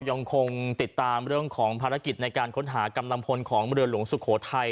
ยังคงติดตามเรื่องของภารกิจในการค้นหากำลังพลของเรือหลวงสุโขทัย